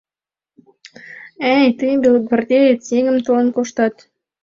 — Э-э, тый, белогвардеец, еҥым толен коштат?